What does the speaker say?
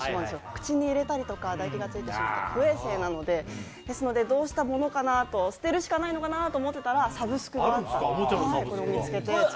口に入れたりとか唾液がついてしまったり不衛生なのでですので、どうしたものかな、捨てるしかないかなと思っていたらサブスクがあって、これを見つけて使っているんです。